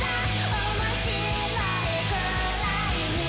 「おもしろいくらいに」